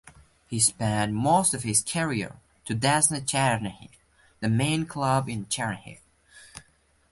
He spent most of his career to Desna Chernihiv the main club in Chernihiv.